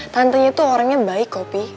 tantenya itu orangnya baik kok pi